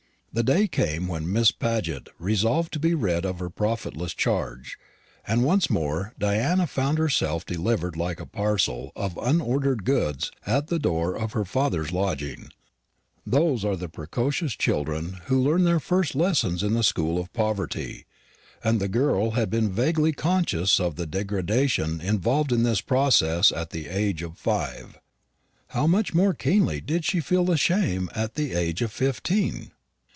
The day came when Miss Paget resolved to be rid of her profitless charge; and once more Diana found herself delivered like a parcel of unordered goods at the door of her father's lodging. Those are precocious children who learn their first lessons in the school of poverty; and the girl had been vaguely conscious of the degradation involved in this process at the age of five. How much more keenly did she feel the shame at the age of fifteen!